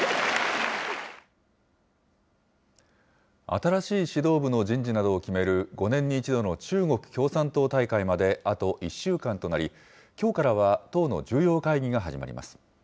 新しい指導部の人事などを決める５年に１度の中国共産党大会まであと１週間となり、きょうからは、党の重要会議が始まります。